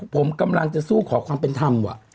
ผมกำลังจะสู้ขอความเป็นธรรมว่ะ